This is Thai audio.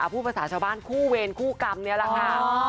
ผู้ประสาชาบ้านคู่เวรคู่กรรมนี้แหละค่ะ